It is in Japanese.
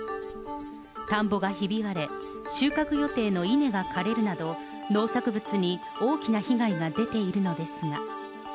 田んぼがひび割れ、収穫予定の稲が枯れるなど、農作物に大きな被害が出ているのですが。